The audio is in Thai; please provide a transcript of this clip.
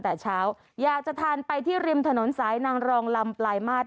แต่เช้าอยากจะทานไปที่ริมถนนสายนางรองลำปลายมาตร